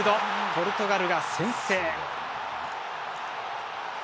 ポルトガルが先制。